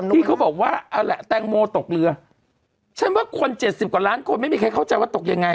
ที่เขาบอกว่าเอาแหละแตงโมตกเรือฉันว่าคน๗๐กว่าล้านคนไม่มีใครเข้าใจว่าตกยังไง